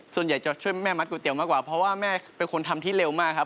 ส่วนใหญ่จะช่วยแม่มัดก๋วมากกว่าเพราะว่าแม่เป็นคนทำที่เร็วมากครับ